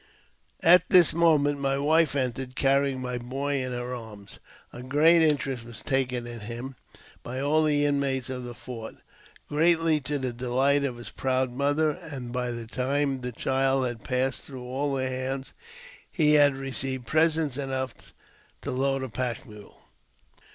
At this moment my wife entered, carrying my boy in her arms. A great interest was taken in him by all the inmates of the fort, greatly to the delight of his proud mother, and by the time the child had passed through all their hands he had received presents enough to load a pack mule.